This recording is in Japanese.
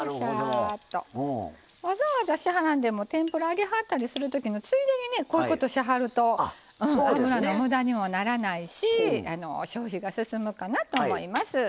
わざわざしはらんでもてんぷら揚げはったりするときのついでに、こういうことをすると油がむだにもならないし消費が進むかなと思います。